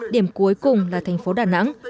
điểm cuối cùng là thành phố đà nẵng